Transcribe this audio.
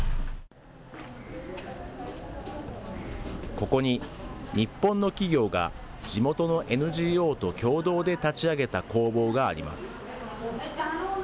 ここに、日本の企業が地元のＮＧＯと共同で立ち上げた工房があります。